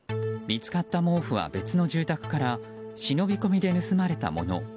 見つかった毛布は別の住宅から忍び込みで盗まれたもの。